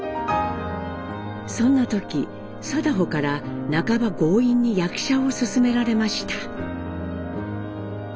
そんな時禎穗から半ば強引に役者を勧められました。